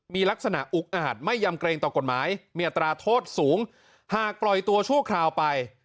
มีลักษณะอุกอาจไม่ยำเกรงต่อกฎหมายมีอัตราโทษสูงหากปล่อยตัวชั่วคราวไป